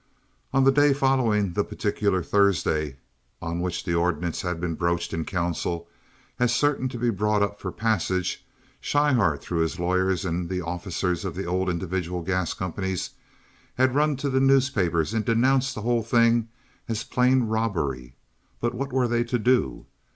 On the day following the particular Thursday on which the ordinance had been broached in council as certain to be brought up for passage, Schryhart, through his lawyers and the officers of the old individual gas companies, had run to the newspapers and denounced the whole thing as plain robbery; but what were they to do?